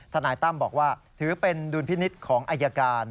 นายตั้มบอกว่าถือเป็นดุลพินิษฐ์ของอายการ